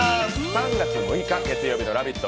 ３月６日月曜日の「ラヴィット！」